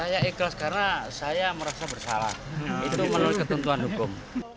saya ikhlas karena saya merasa bersalah itu memenuhi ketentuan hukum